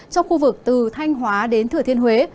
trong khu vực từ thanh hóa đến thừa thiên huế